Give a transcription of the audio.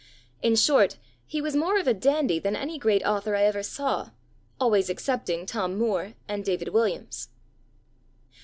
In short, he was more of a dandy than any great author I ever saw always excepting Tom Moore and David Williams."